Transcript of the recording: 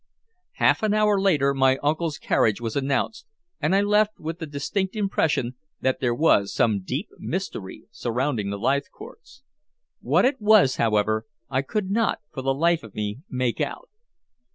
Half an hour later my uncle's carriage was announced, and I left with the distinct impression that there was some deep mystery surrounding the Leithcourts. What it was, however, I could not, for the life of me, make out.